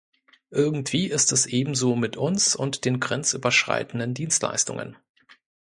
Irgendwie ist es ebenso mit uns und den grenzüberschreitenden Dienstleistungen.